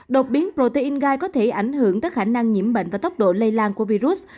đột biến protein gai có thể ảnh hưởng tới khả năng nhiễm bệnh và tốc độ lây lan của virus